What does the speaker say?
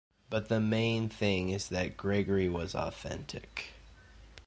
But the main thing is that Gregory was authentic.